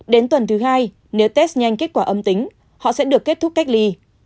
đến tuần thứ hai nếu test nhanh kết quả âm tính họ sẽ được kết thúc cách ly